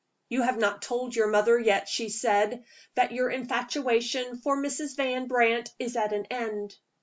"You have not told your mother yet," she said, "that your infatuation for Mrs. Van Brandt is at an end.